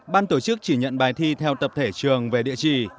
ban tổ chức chỉ nhận bài thi theo tập thể trường về địa chỉ